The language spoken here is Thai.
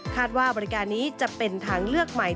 ว่าบริการนี้จะเป็นทางเลือกใหม่